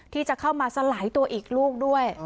ที่จะเข้ามาสลายตัวอีกลูกด้วย